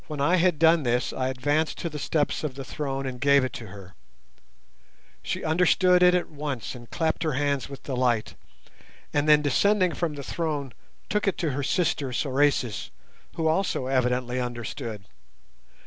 When I had done this I advanced to the steps of the throne and gave it to her. She understood it at once and clapped her hands with delight, and then descending from the throne took it to her sister Sorais, who also evidently understood.